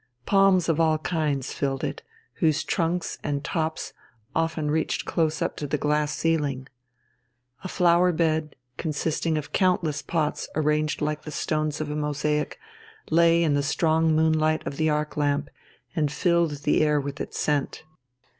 Palms of all kinds filled it, whose trunks and tops often reached close up to the glass ceiling. A flower bed, consisting of countless pots arranged like the stones of a mosaic, lay in the strong moonlight of the arc lamp and filled the air with its scent.